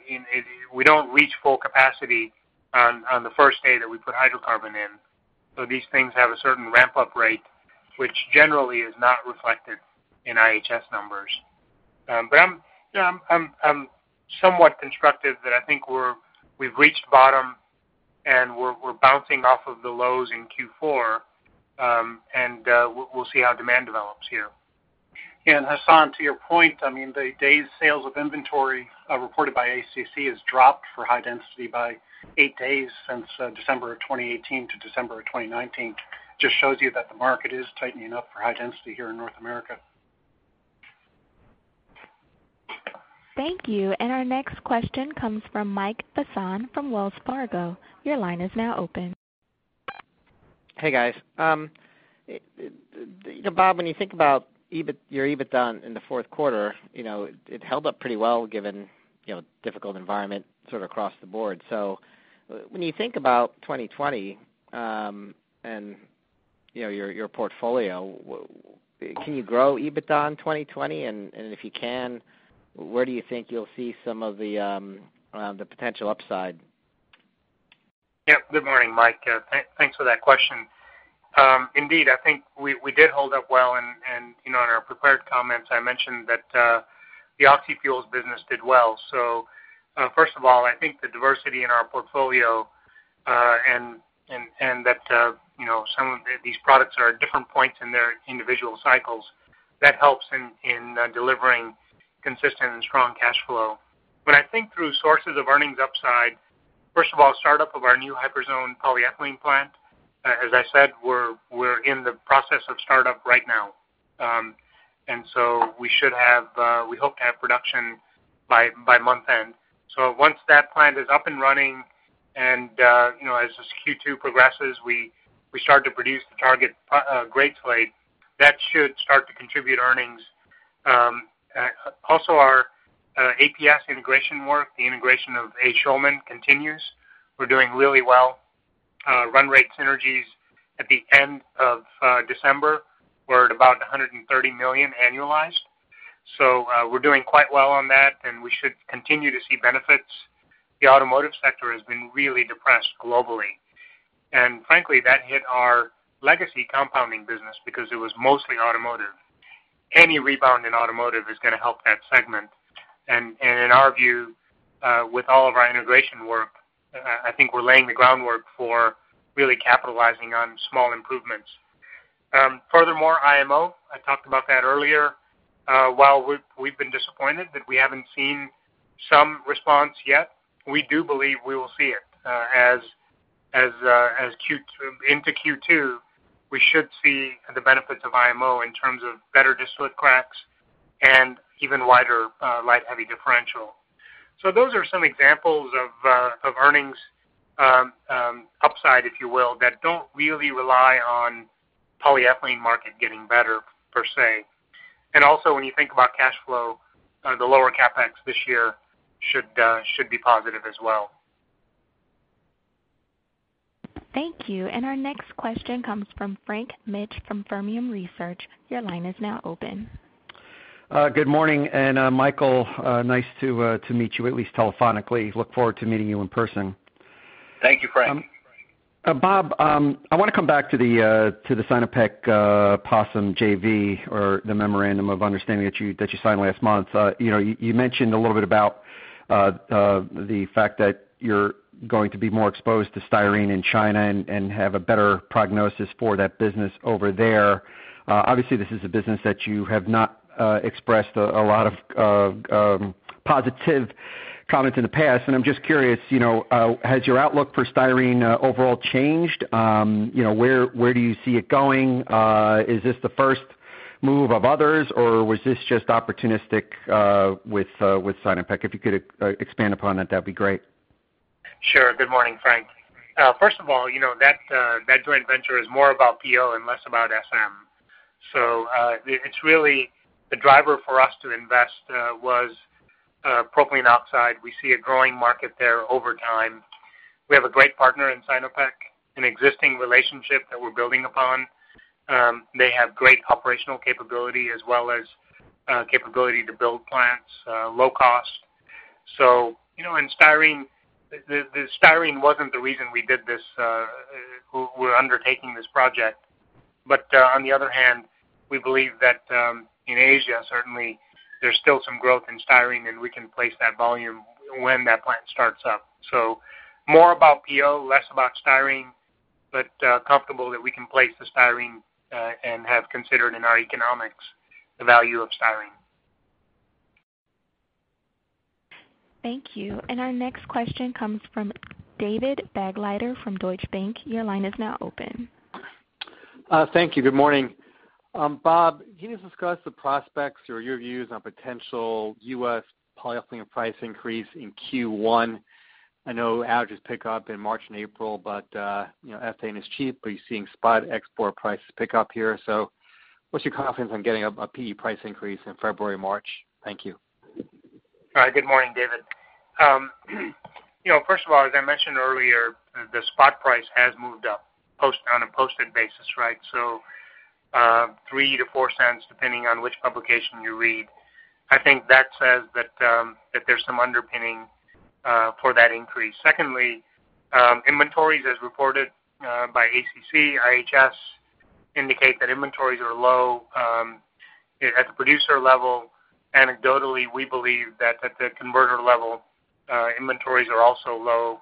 S3: we don't reach full capacity on the first day that we put hydrocarbon in. These things have a certain ramp-up rate, which generally is not reflected in IHS numbers. I'm somewhat constructive that I think we've reached bottom and we're bouncing off of the lows in Q4. We'll see how demand develops here.
S2: Hassan, to your point, the days sales of inventory reported by ACC has dropped for high density by eight days since December of 2018 to December of 2019. Just shows you that the market is tightening up for high density here in North America.
S1: Thank you. Our next question comes from Mike Sison from Wells Fargo. Your line is now open.
S16: Hey, guys. Bob, when you think about your EBITDA in the fourth quarter, it held up pretty well given difficult environment sort of across the board. When you think about 2020, and your portfolio, can you grow EBITDA in 2020? If you can, where do you think you'll see some of the potential upside?
S3: Yep. Good morning, Mike. Thanks for that question. Indeed, I think we did hold up well and in our prepared comments, I mentioned that the oxyfuels business did well. First of all, I think the diversity in our portfolio, and that some of these products are at different points in their individual cycles. That helps in delivering consistent and strong cash flow. When I think through sources of earnings upside, first of all, startup of our new Hyperzone polyethylene plant, as I said, we're in the process of startup right now. We hope to have production by month-end. Once that plant is up and running, and as Q2 progresses, we start to produce the target grades rate, that should start to contribute earnings. Also our APS integration work, the integration of A. Schulman continues. We're doing really well. Run rate synergies at the end of December were at about $130 million annualized. We're doing quite well on that, and we should continue to see benefits. The automotive sector has been really depressed globally. Frankly, that hit our legacy compounding business because it was mostly automotive. Any rebound in automotive is going to help that segment. In our view, with all of our integration work, I think we're laying the groundwork for really capitalizing on small improvements. Furthermore, IMO, I talked about that earlier. While we've been disappointed that we haven't seen some response yet, we do believe we will see it into Q2. We should see the benefits of IMO in terms of better distillate cracks and even wider light, heavy differential. Those are some examples of earnings upside, if you will, that don't really rely on polyethylene market getting better per se. Also when you think about cash flow, the lower CapEx this year should be positive as well.
S1: Thank you. Our next question comes from Frank Mitsch from Fermium Research. Your line is now open.
S17: Good morning, Michael, nice to meet you at least telephonically. Look forward to meeting you in person.
S4: Thank you, Frank.
S17: Bob, I want to come back to the Sinopec PO/SM JV or the memorandum of understanding that you signed last month. You mentioned a little bit about the fact that you're going to be more exposed to styrene in China and have a better prognosis for that business over there. Obviously, this is a business that you have not expressed a lot of positive comments in the past, and I'm just curious, has your outlook for styrene overall changed? Where do you see it going? Is this the first move of others, or was this just opportunistic with Sinopec? If you could expand upon that'd be great.
S3: Sure. Good morning, Frank. First of all, that joint venture is more about PO and less about SM. The driver for us to invest was propylene oxide. We see a growing market there over time. We have a great partner in Sinopec, an existing relationship that we're building upon. They have great operational capability as well as capability to build plants, low cost. The styrene wasn't the reason we're undertaking this project. On the other hand, we believe that in Asia, certainly, there's still some growth in styrene, and we can place that volume when that plant starts up. More about PO, less about styrene, but comfortable that we can place the styrene, and have considered in our economics the value of styrene.
S1: Thank you. Our next question comes from David Begleiter from Deutsche Bank. Your line is now open.
S18: Thank you. Good morning. Bob, can you discuss the prospects or your views on potential U.S. polyethylene price increase in Q1? I know outages pick up in March and April, but ethane is cheap. Are you seeing spot export prices pick up here? What's your confidence on getting a PE price increase in February, March? Thank you.
S3: All right. Good morning, David. First of all, as I mentioned earlier, the spot price has moved up on a posted basis, right? $0.03-$0.04, depending on which publication you read. I think that says that there's some underpinning for that increase. Secondly, inventories, as reported by ACC, IHS, indicate that inventories are low at the producer level. Anecdotally, we believe that at the converter level, inventories are also low.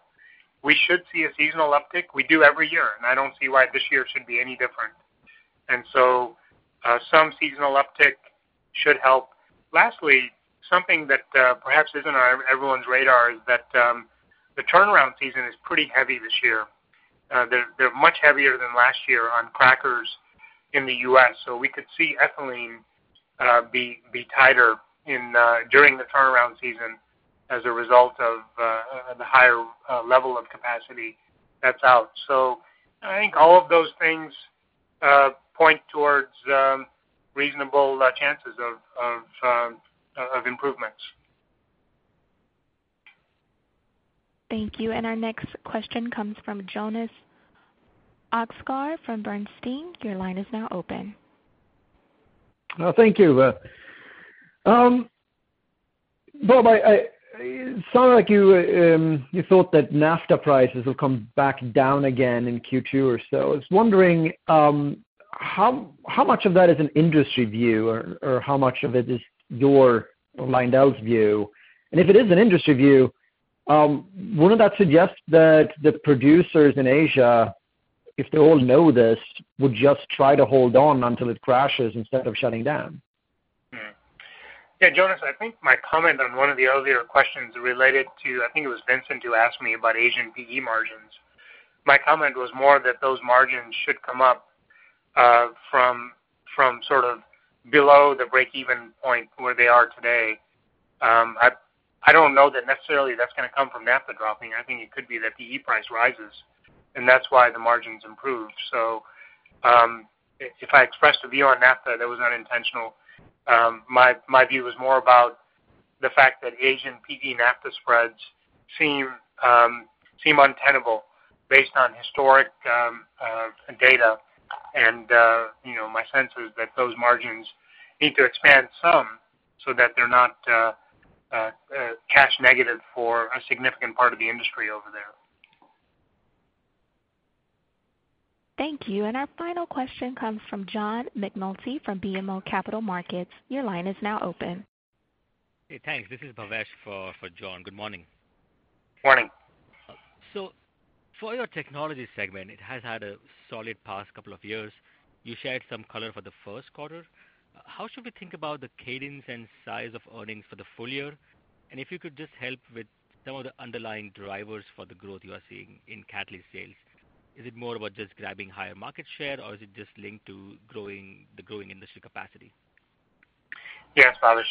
S3: We should see a seasonal uptick. We do every year, and I don't see why this year should be any different. Some seasonal uptick should help. Lastly, something that perhaps isn't on everyone's radar is that the turnaround season is pretty heavy this year. They're much heavier than last year on crackers in the U.S. We could see ethylene be tighter during the turnaround season as a result of the higher level of capacity that's out. I think all of those things point towards reasonable chances of improvements.
S1: Thank you. Our next question comes from Jonas Oxgaard from Bernstein. Your line is now open.
S19: Thank you. Bob, it sounded like you thought that naphtha prices will come back down again in Q2 or so. I was wondering how much of that is an industry view, or how much of it is your or LyondellBasell's view. If it is an industry view, wouldn't that suggest that the producers in Asia, if they all know this, would just try to hold on until it crashes instead of shutting down?
S3: Jonas, I think my comment on one of the earlier questions related to, I think it was Vincent who asked me about Asian PE margins. My comment was more that those margins should come up from sort of below the break-even point where they are today. I don't know that necessarily that's going to come from naphtha dropping. I think it could be that PE price rises, and that's why the margins improve. If I expressed a view on naphtha, that was unintentional. My view was more about the fact that Asian PE naphtha spreads seem untenable based on historic data. My sense is that those margins need to expand some so that they're not cash negative for a significant part of the industry over there.
S1: Thank you. Our final question comes from John McNulty from BMO Capital Markets. Your line is now open.
S20: Hey, thanks. This is Bhavesh for John. Good morning.
S3: Morning.
S20: For your Technology segment, it has had a solid past couple of years. You shared some color for the first quarter. How should we think about the cadence and size of earnings for the full year? If you could just help with some of the underlying drivers for the growth you are seeing in catalyst sales. Is it more about just grabbing higher market share, or is it just linked to the growing industry capacity?
S3: Yes, Bhavesh.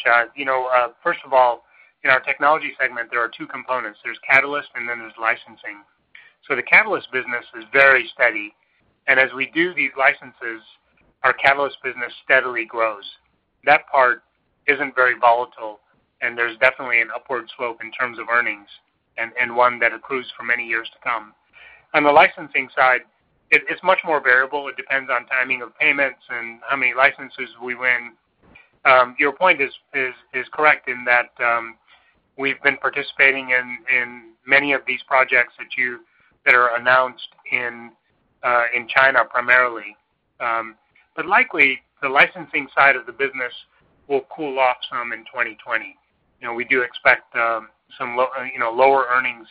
S3: First of all, in our Technology segment, there are two components. There's catalyst, and then there's licensing. The catalyst business is very steady, and as we do these licenses, our catalyst business steadily grows. That part isn't very volatile, and there's definitely an upward slope in terms of earnings, and one that accrues for many years to come. On the licensing side, it's much more variable. It depends on timing of payments and how many licenses we win. Your point is correct in that we've been participating in many of these projects that are announced in China primarily. Likely, the licensing side of the business will cool off some in 2020. We do expect some lower earnings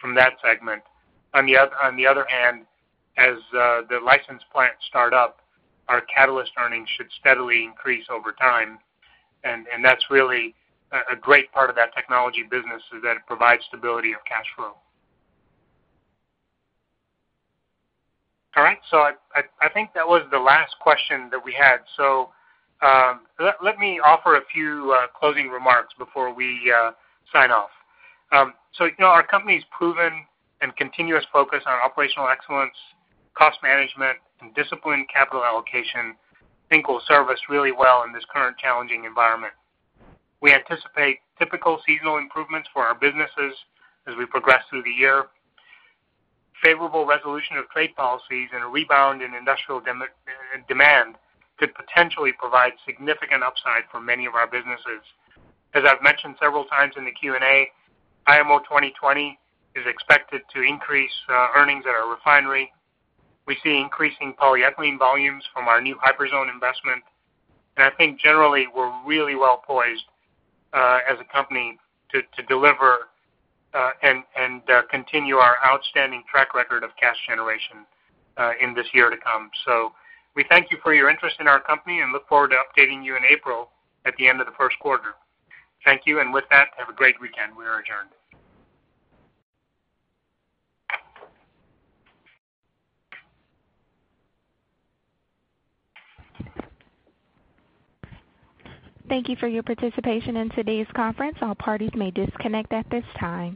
S3: from that segment. On the other hand, as the licensed plants start up, our catalyst earnings should steadily increase over time. That's really a great part of that technology business, is that it provides stability of cash flow. All right. I think that was the last question that we had. Let me offer a few closing remarks before we sign off. Our company's proven and continuous focus on operational excellence, cost management, and disciplined capital allocation, I think will serve us really well in this current challenging environment. We anticipate typical seasonal improvements for our businesses as we progress through the year. Favorable resolution of trade policies and a rebound in industrial demand could potentially provide significant upside for many of our businesses. As I've mentioned several times in the Q&A, IMO 2020 is expected to increase earnings at our refinery. We see increasing polyethylene volumes from our new Hyperzone investment. I think generally, we're really well-poised as a company to deliver and continue our outstanding track record of cash generation in this year to come. We thank you for your interest in our company and look forward to updating you in April at the end of the first quarter. Thank you. With that, have a great weekend. We are adjourned.
S1: Thank you for your participation in today's conference. All parties may disconnect at this time.